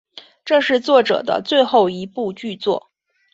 这是作者的最后一部剧作。